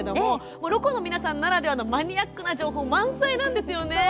ロコの皆さんならではのマニアックな情報満載なんですよね。